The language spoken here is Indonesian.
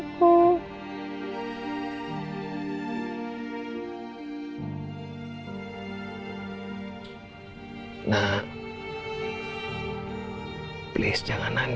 conservative chat akan selamatkan toby